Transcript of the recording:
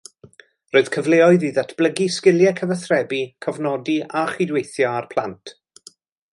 Roedd cyfleoedd i ddatblygu sgiliau cyfathrebu, cofnodi a chydweithio â'r plant